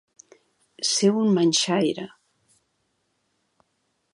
Ser un manxaire.